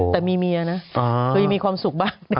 แต่มีเมียนะเธอยังมีความสุขบ้าง